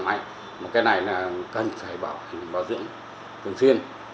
đợi một năm ông sẽ được bảo trì cho ban quản trị